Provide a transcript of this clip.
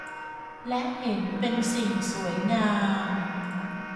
และเห็นเป็นสิ่งสวยงาม